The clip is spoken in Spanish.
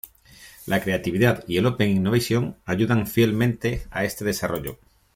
La creatividad y el Open Innovation ayudan fielmente a este desarrollo.